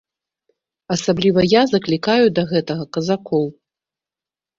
Асабліва я заклікаю да гэтага казакоў!